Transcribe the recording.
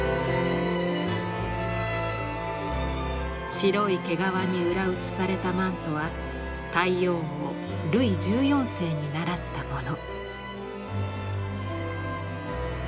白い毛皮に裏打ちされたマントは太陽王ルイ１４世に倣ったもの。